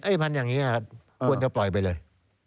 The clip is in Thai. พันธุ์อย่างนี้ควรจะปล่อยไปเลย